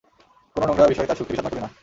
কোন নোংরা বিষয় তাঁর সুখকে বিষাদময় করে না।